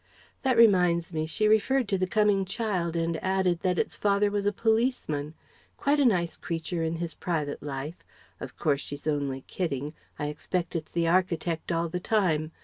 That reminds me, she referred to the coming child and added that its father was a policeman. Quite a nice creature in his private life. Of course she's only kidding. I expect it's the architect all the time.